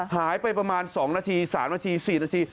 หายไปประมาณ๒นาที๓นาที๔นาที